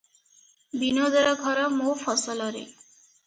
ବିନୋଦର ଘର ମୋଫସଲରେ ।